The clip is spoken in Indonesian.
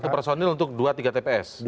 satu personil untuk dua tiga tps